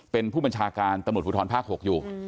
เป็นผู้บัญชาการตำรวจภูทรภาค๖อยู่